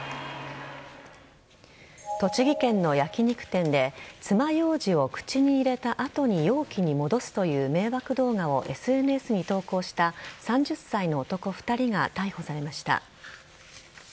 栃木県の焼き肉店でつまようじを口に入れた後に容器に戻すという迷惑動画をＳＮＳに投稿した３０歳の男２人が逮捕されました。